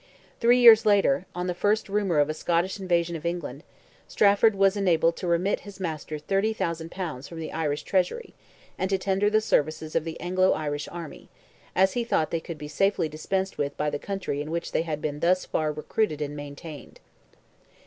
Three years later, on the first rumour of a Scottish invasion of England, Strafford was enabled to remit his master 30,000 pounds from the Irish Treasury, and to tender the services of the Anglo Irish army, as he thought they could be safely dispensed with by the country in which they had been thus far recruited and maintained.